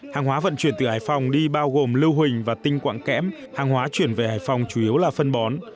hàng hóa vận chuyển từ hải phòng đi bao gồm lưu huỳnh và tinh quạng kẽm hàng hóa chuyển về hải phòng chủ yếu là phân bón